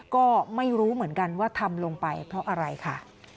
ก็ไม่รู้เหมือนกันว่าทำลงไปเพราะอะไรค่ะ